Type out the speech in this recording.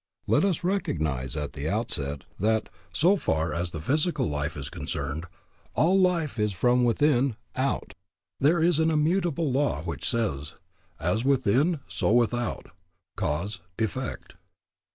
Let us recognize at the outset that, so far as the physical life is concerned, all life is from within out. There is an immutable law which says: "As within, so without; cause, effect."